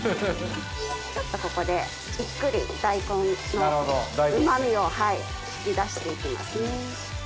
ちょっとここでじっくり大根のうま味を引き出して行きますね。